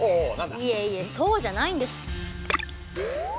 いえいえそうじゃないんです。